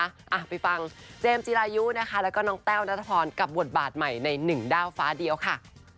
อ่ะไปฟังเจมส์จิรายุนะคะแล้วก็น้องแต้วนัทพรกับบทบาทใหม่ในหนึ่งด้าวฟ้าเดียวค่ะ